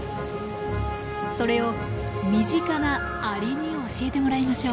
それを身近なアリに教えてもらいましょう。